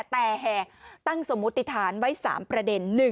แต่แห่ตั้งสมมุติฐานไว้๓ประเด็น